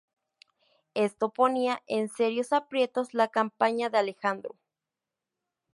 Esto ponía en serios aprietos la campaña de Alejandro.